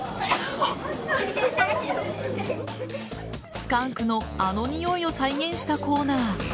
スカンクのあのにおいを再現したコーナー。